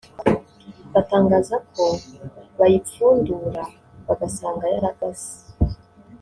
batangaza ko bayipfundura bagasanga yaragaze